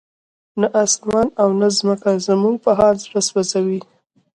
نه اسمان او نه ځمکه زموږ په حال زړه سوځوي.